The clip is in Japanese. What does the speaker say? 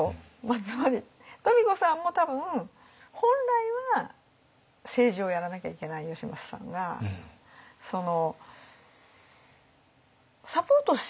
つまり富子さんも多分本来は政治をやらなきゃいけない義政さんがほう！